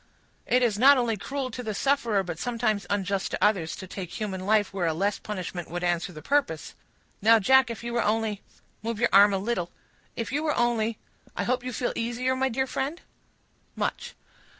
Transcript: "It is not only cruel to the sufferer, but sometimes unjust to others, to take human life where a less punishment would answer the purpose. Now, Jack, if you were only—move your arm a little—if you were only—I hope you feel easier, my dear friend?" "Much."